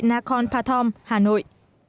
nacon pathom hà nội